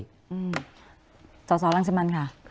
จัดสอนลังซิมันค่ะ